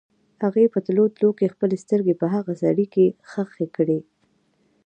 هغې په تلو تلو کې خپلې سترګې په هغه سړي کې ښخې کړې.